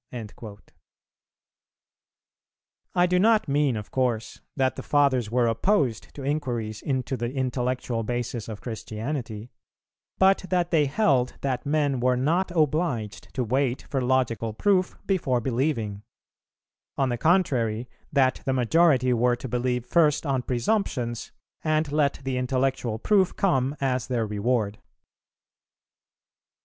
"[330:1] I do not mean of course that the Fathers were opposed to inquiries into the intellectual basis of Christianity, but that they held that men were not obliged to wait for logical proof before believing: on the contrary, that the majority were to believe first on presumptions and let the intellectual proof come as their reward.